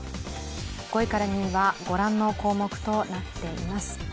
５位から２位はご覧の項目となっています。